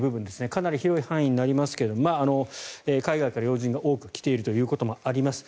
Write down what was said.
かなり広い範囲になりますが海外から要人が多く来ているということもあります。